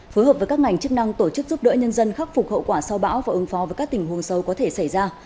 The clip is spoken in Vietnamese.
phối hợp với các ngành chức năng tổ chức giúp đỡ nhân dân khắc phục hậu quả sau bão và ứng phó với các tình huống sâu có thể xảy ra